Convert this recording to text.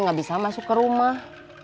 nggak bisa masuk ke rumah